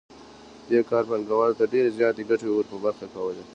دې کار پانګوال ته ډېرې زیاتې ګټې ور په برخه کولې